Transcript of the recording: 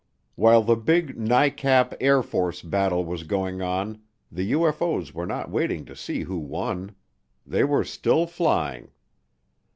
While the big NICAP Air Force battle was going on the UFO's were not waiting to see who won. They were still flying.